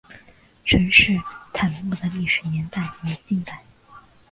陈式坦墓的历史年代为近代。